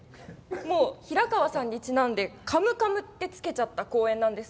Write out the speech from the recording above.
平川さんにちなんでカムカムってつけちゃった公園です。